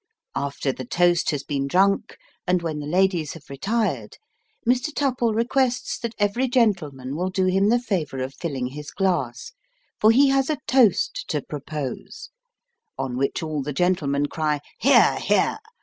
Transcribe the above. After the toast has been drunk, and when the ladies have retired, Mr. Tupple requests that every gentle Speech of Mr. Tupple. 169 man will do him the favour of filling his glass, for he has a toast to propose: on which all the gentlemen cry "Hear! hear!"